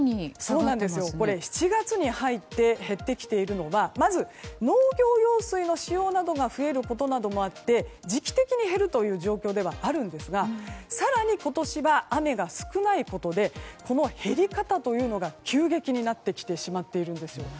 ７月に入って減ってきているのはまず、農業用水の使用などが増えることなどもあって時期的に減るという状況ではあるんですが更に今年は雨が少ないことで減り方というのが急激になってきてしまっているんです。